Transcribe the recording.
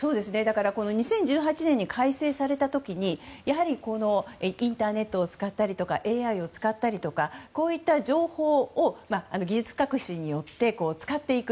２０１８年に改正された時にインターネットを使ったりとかＡＩを使ったりとかという情報を技術革新によって使っていく。